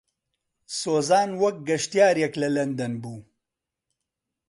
سۆزان وەک گەشتیارێک لە لەندەن بوو.